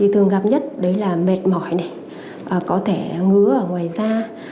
thường gặp nhất là mệt mỏi có thể ngứa ở ngoài da